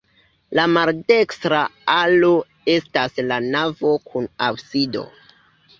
La maldekstra alo estas la navo kun absido.